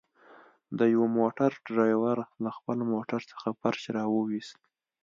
د يوه موټر ډريور له خپل موټر څخه فرش راوويست.